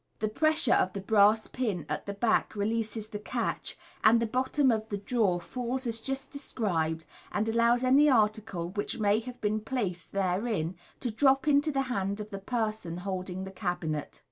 The pressure of the brass pin at the back releases the catch, and the bottom of the drawer falls as just described, and allows any article which may have been placed therein to drop into the hand of the person holding the cabinet.